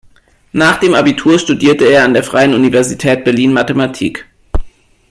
Nach dem Abitur studierte er an der Freien Universität Berlin Mathematik.